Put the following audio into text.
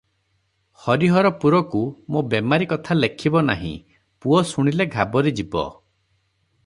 ହରିହରପୁରକୁ ମୋ ବେମାରି କଥା ଲେଖିବ ନାହିଁ, ପୁଅ ଶୁଣିଲେ ଘାବରିଯିବ ।"